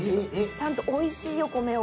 ちゃんとおいしいお米を。